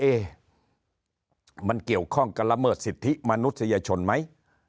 เอ๊ะมันเกี่ยวข้องกับละเมิดสิทธิมนุษยชนไหม